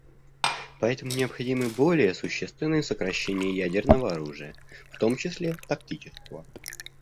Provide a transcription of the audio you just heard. Поэтому необходимы более существенные сокращения ядерного оружия, в том числе тактического.